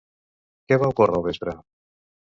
Què va ocórrer al vespre?